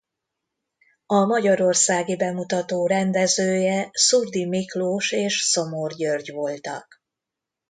A magyarországi bemutató rendezője Szurdi Miklós és Szomor György voltak.